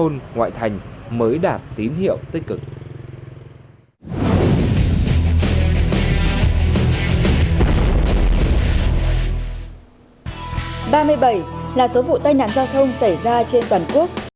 ngoại thành mới đạt tín hiệu tích cực